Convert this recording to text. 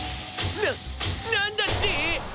ななんだって⁉